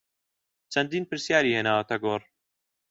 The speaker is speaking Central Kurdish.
چەندین پرسیاری هێناوەتە گۆڕ